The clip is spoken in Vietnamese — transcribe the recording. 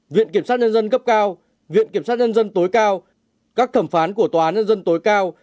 viện kiểm sát nhân dân cấp cao viện kiểm sát nhân dân tối cao các thẩm phán của tòa án nhân dân tối cao